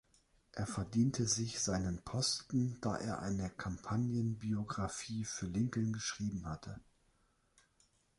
Er verdiente sich seinen Posten, da er eine Kampagnenbiographie für Lincoln geschrieben hatte.